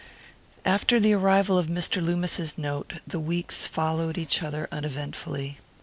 After the arrival of Mr. Loomis's note the weeks followed each other uneventfully.